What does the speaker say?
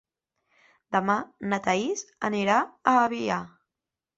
Demà na Thaís anirà a Avià.